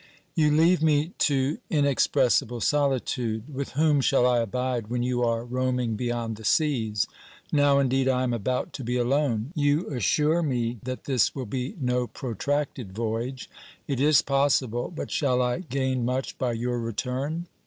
You leave me to inexpressible solitude. With whom shall I abide when you are roaming beyond the seas ? Now, indeed, I am about to be alone. You assure me that this will be no protracted voyage ; it is possible, but shall I gain much by your return?